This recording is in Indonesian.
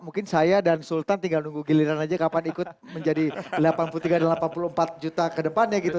mungkin saya dan sultan tinggal nunggu giliran aja kapan ikut menjadi delapan puluh tiga dan delapan puluh empat juta ke depannya gitu